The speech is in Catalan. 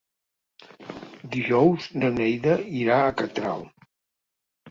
Dijous na Neida irà a Catral.